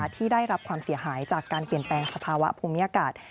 ที่ได้รับความเสียหายจากการเปลี่ยนแปลงสภาวะภูมิอากาศ